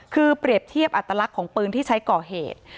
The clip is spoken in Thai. คือเปรียบเทียบอัตลักษณ์ของปืนที่ใช้ก่อเหตุ